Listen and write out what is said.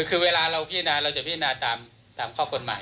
คือเวลาเราพิจารณาเราจะพิจารณาตามข้อกฎหมาย